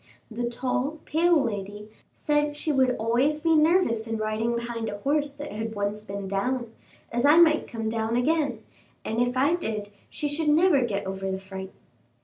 The tall, pale lady said she should always be nervous in riding behind a horse that had once been down, as I might come down again, and if I did she should never get over the fright."